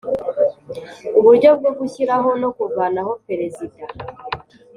Uburyo bwo gushyiraho no kuvanaho Perezida